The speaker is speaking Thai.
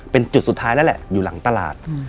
เป็นจุดสุดท้ายแล้วแหละอยู่หลังตลาด